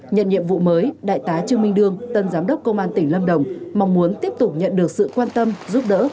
nhận nhiệm vụ mới đại tá trương minh đương tân giám đốc công an tỉnh lâm đồng mong muốn tiếp tục nhận được sự quan tâm giúp đỡ